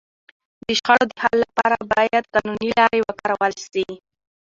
د شخړو د حل لپاره باید قانوني لاري وکارول سي.